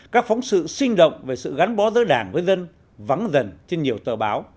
các phóng sự sinh động về sự gắn bó giữa đảng với dân vắng dần trên nhiều tờ báo